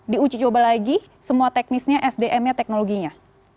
diuji coba lagi semua teknisnya sdm nya teknologinya